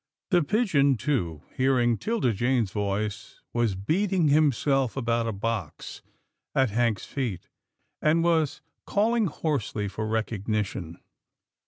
The pigeon too, hearing 'Tilda Jane's voice, was beating himself about a box at Hank's feet, and was calling hoarsely for recognition.